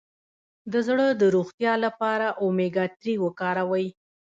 د زړه د روغتیا لپاره اومیګا تري وکاروئ